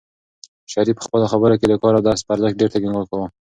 شریف په خپلو خبرو کې د کار او درس په ارزښت ډېر ټینګار کاوه.